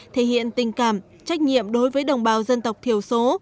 thể hiện tình cảm trách nhiệm đối với đồng bào dân tộc thiểu số